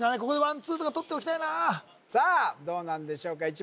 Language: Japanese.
ここでワンツーとかとっておきたいなさあどうなんでしょうか？